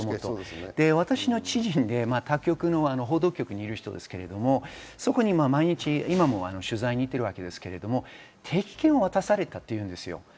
私の知人で他局の報道局にいる人ですが、毎日、今も取材に行っていますが、定期券を渡されたというんです。